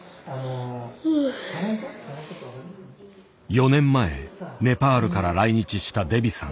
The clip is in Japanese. ４年前ネパールから来日したデビさん。